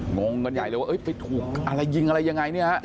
งงกันใหญ่เลยว่าไปถูกอะไรยิงอะไรยังไงเนี่ยฮะ